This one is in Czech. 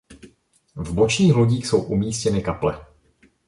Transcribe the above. V bočních lodích jsou umístěny kaple.